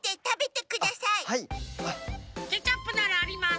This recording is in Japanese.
ケチャップならあります。